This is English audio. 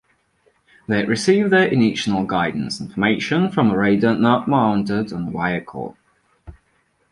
They receive their initial guidance information from a radar not mounted on the vehicle.